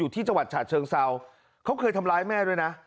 ที่จังหวัดฉะเชิงเซาเขาเคยทำร้ายแม่ด้วยนะ